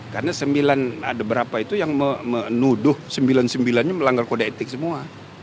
karena sembilan ada berapa itu yang menuduh sembilan sembilannya melanggar kode etik semua